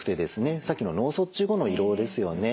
さっきの脳卒中後の胃ろうですよね。